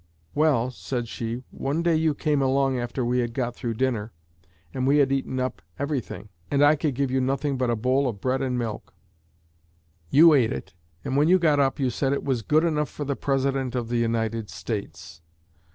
"Well," said she, "one day you came along after we had got through dinner, and we had eaten up everything, and I could give you nothing but a bowl of bread and milk; you ate it, and when you got up you said it was good enough for the President of the United States."